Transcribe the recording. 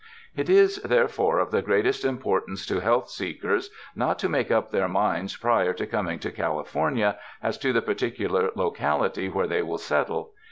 It is therefore of the greatest importance to health seekers not to make up their minds prior to coming to California, as to the particular locality where they will settle.